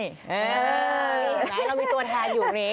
เออแล้วเรามีตัวแทนอยู่นี่